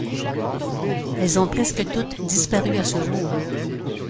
Elles ont presque toutes disparu à ce jour.